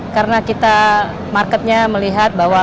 karena kita marketnya melihat bahwa